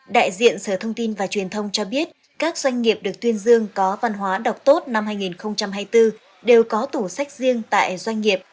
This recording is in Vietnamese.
đại diện sở thông tin và truyền thông cho biết các doanh nghiệp được tuyên dương có văn hóa đọc tốt năm hai nghìn hai mươi bốn đều có tủ sách riêng tại doanh nghiệp